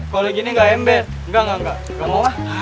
kalo gini gak ember enggak enggak enggak